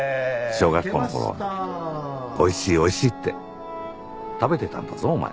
小学校の頃「おいしいおいしい」って食べてたんだぞお前。